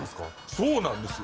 そうなんですよ。